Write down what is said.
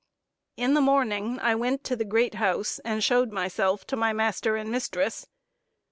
In the morning I went to the great house and showed myself to my master and mistress.